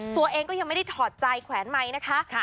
ตัวเองก็ยังไม่ได้ถอดใจแขวนไมค์นะคะ